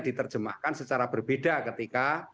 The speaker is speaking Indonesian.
diterjemahkan secara berbeda ketika